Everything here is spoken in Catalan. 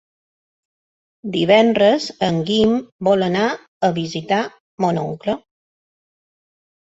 Divendres en Guim vol anar a visitar mon oncle.